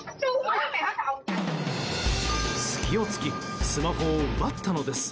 隙を突きスマホを奪ったのです。